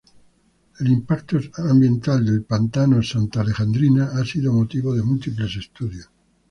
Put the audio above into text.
El impacto ambiental del pantano "Santa Alejandrina", ha sido motivo de múltiples estudios.